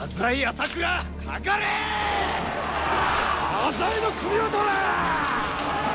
浅井の首を取れ！